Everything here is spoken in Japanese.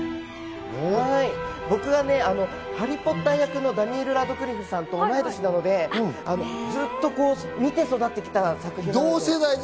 僕はね、『ハリー・ポッター』役のダニエル・ラドクリフさんと同い年なのでずっと見て育ってきた作品。